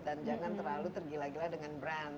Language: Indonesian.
dan jangan terlalu tergila gila dengan brand